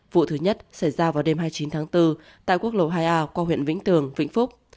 vụ thứ nhất xảy ra vào đêm hai mươi chín tháng bốn tại quốc lộ hai a qua huyện vĩnh tường vĩnh phúc